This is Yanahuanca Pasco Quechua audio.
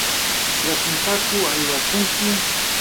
¿rasunpaku aywakunki?